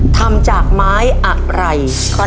ทำจากไม้อะไร